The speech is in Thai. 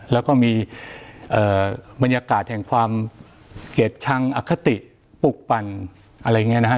แล้วก็มีบรรยากาศแห่งความเกลียดชังอคติปลุกปั่นอะไรอย่างนี้นะฮะ